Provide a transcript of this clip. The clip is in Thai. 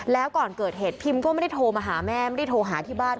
แล้วก่อนเกิดเหตุพิมก็ไม่ได้โทรมาหาแม่ไม่ได้โทรหาที่บ้าน